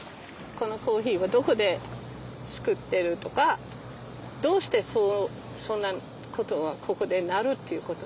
このコーヒーはどこで作ってるとかどうしてそんな事がここでなるっていう事知りたい。